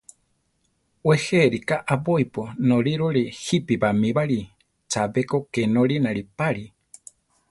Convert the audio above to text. We je ríka abóipo norírore jipe bamíbari; chabé ko ké norínare pari.